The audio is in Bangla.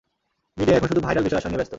মিডিয়া এখন শুধু ভাইরাল বিষয়আষয় নিয়ে ব্যস্ত।